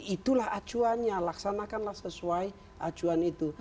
itulah acuannya laksanakanlah sesuai acuan itu